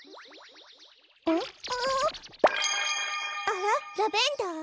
あらラベンダー？